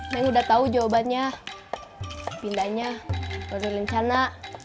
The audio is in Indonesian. neng udah tahu jawabannya pindahnya baru rencana